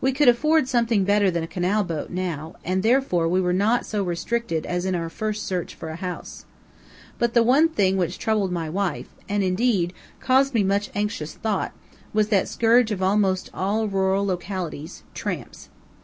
We could afford something better than a canal boat now, and therefore we were not so restricted as in our first search for a house. But, the one thing which troubled my wife and, indeed, caused me much anxious thought, was that scourge of almost all rural localities tramps.